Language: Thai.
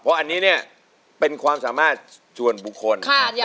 เพราะอันนี้เนี่ยเป็นความสามารถส่วนบุคคล